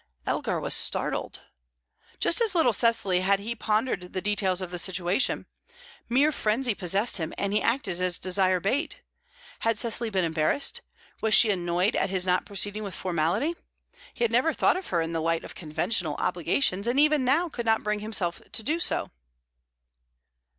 Elgar was startled. Just as little as Cecily had he pondered the details of the situation; mere frenzy possessed him, and he acted as desire bade. Had Cecily been embarrassed? Was she annoyed at his not proceeding with formality? He had never thought of her in the light of conventional obligations, and even now could not bring himself to do so.